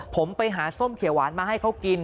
ผมไปหาส้มเขียวหวานมาให้เขากิน